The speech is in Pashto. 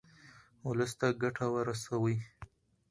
ولس ته ګټه ورسوئ.